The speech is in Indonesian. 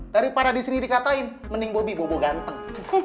daripada disini dikatain mending bobi bobo ganteng